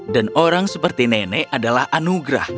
dan orang seperti nenek adalah anugerah